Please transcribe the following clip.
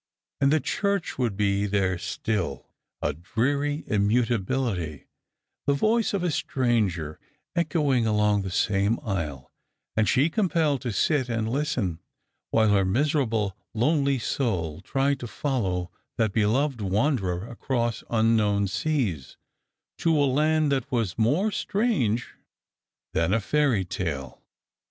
And the church would be there still, a dreary immutability ; the voice of a stranger echoing along the same aisle, and she com pelled to sit and listen : while her miserable lonely soul tried to follow that beloved wanderer across unknown seas, to a land that was more strange than a fairy tale.